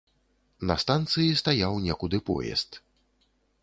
На станцыі стаяў некуды поезд.